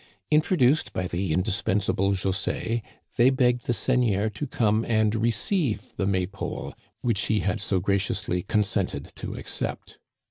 In troduced by the indispensable José, they begged the seigneur to come and receive the May pole which he had so graciously consented to accept.